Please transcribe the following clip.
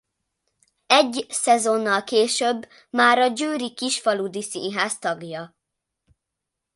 Egy szezonnal később már a Győri Kisfaludy Színház tagja.